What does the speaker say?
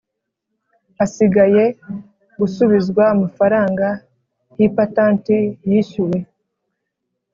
asigaye Gusubizwa amafaranga y ipatanti yishyuwe